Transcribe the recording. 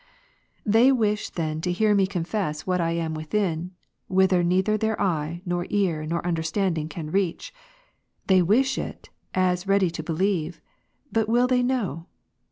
They wish then to hear me confess what I am within ; whither neither their eye, nor ear, nor understand ing, can reach ; they wish it, as ready to believe — but will they know